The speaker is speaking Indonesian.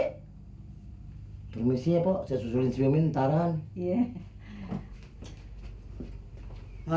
hai permisi ya pokok susulin sementara ya